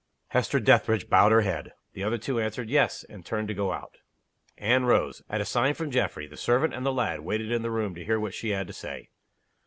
Hester Dethridge bowed her head. The other two answered, "Yes" and turned to go out. Anne rose. At a sign from Geoffrey, the servant and the lad waited in the room to hear what she had to say.